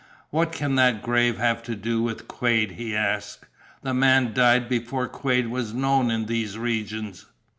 "What can that grave have to do with Quade?" he asked. "The man died before Quade was known in these regions."